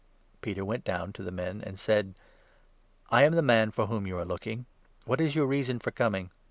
Peter went down to the men and said : 21 '' I am the man for whom you are looking. What is your reason for coming